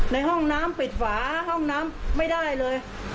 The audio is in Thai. ในห้องน้ำปิดฝาห้องน้ำไม่ได้เลย